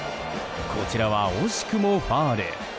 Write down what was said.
こちらは惜しくもファウル。